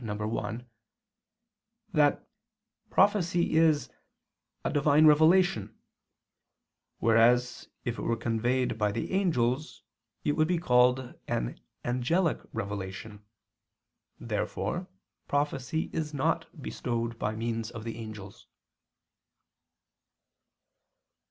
i] says that prophecy is a "Divine revelation": whereas if it were conveyed by the angels, it would be called an angelic revelation. Therefore prophecy is not bestowed by means of the angels.